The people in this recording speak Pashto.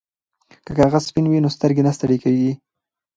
که کاغذ سپین وي نو سترګې نه ستړې کیږي.